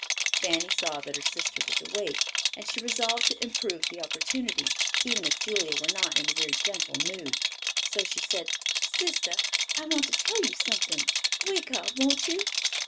Fanny saw that her sister was awake, and she resolved to improve the opportunity, even if Julia were not in a very gentle mood. So she said, "Sister, I want to tell you something; wake up, won't you?"